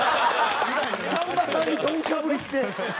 さんまさんにどんかぶりして。